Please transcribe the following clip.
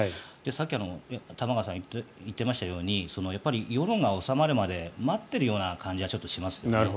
さっき、玉川さんが言っていましたようにやっぱり世論が収まるまで待ってるような感じがちょっとしますね。